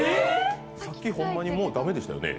さっきほんまにもう、駄目でしたよね。